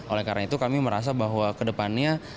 oleh karena itu kami merasa bahwa ke depannya